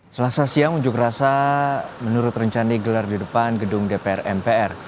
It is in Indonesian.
selasa siang unjuk rasa menurut rencana gelar di depan gedung dpr mpr